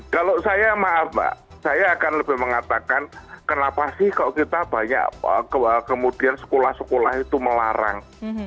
kalau saya maaf mbak saya akan lebih mengatakan kenapa sih kok kita banyak kemudian sekolah sekolah itu melarang